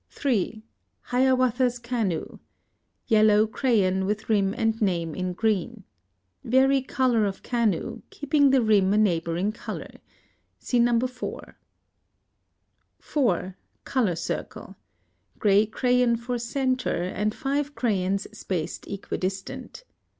3. Hiawatha's canoe. Yellow crayon, with rim and name in green. Vary color of canoe, keeping the rim a neighboring color. See No. 4. 4. Color circle. Gray crayon for centre, and five crayons spaced equidistant.